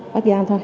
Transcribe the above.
bác giang thôi